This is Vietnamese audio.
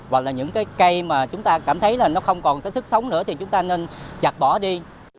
hoặc là những cái cây mà chúng ta cảm thấy là nó không còn cái sức sống nữa thì chúng ta nên chặt bỏ đi